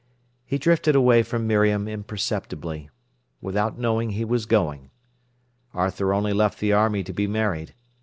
He drifted away from Miriam imperceptibly, without knowing he was going. Arthur only left the army to be married.